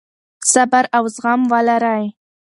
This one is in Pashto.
صبر او زغم ولرئ.